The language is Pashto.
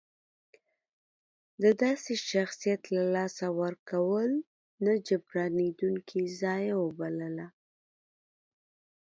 د داسې شخصیت له لاسه ورکول نه جبرانېدونکې ضایعه وبلله.